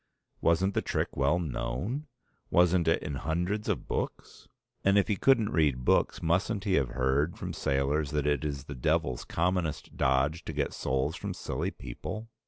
Wasn't the trick well known? Wasn't it in hundreds of books? And if he couldn't read books mustn't he have heard from sailors that it is the Devil's commonest dodge to get souls from silly people?